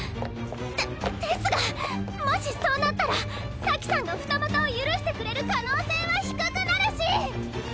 でですがもしそうなったら咲さんが二股を許してくれる可能性は低くなるし！